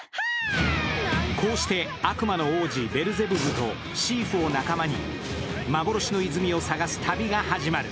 こうして悪魔の王子・ベルゼブブのシーフを仲間に幻の泉を探す旅が始まる。